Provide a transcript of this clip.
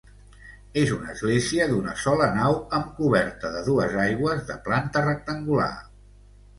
És una església d'una sola nau amb coberta de dues aigües, de planta rectangular.